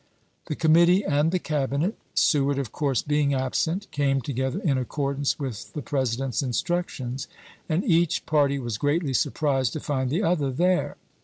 The Commit tee and the Cabinet — Seward of course being absent — came together in accordance with the President's instructions, and each party was greatly surprised to find the other there.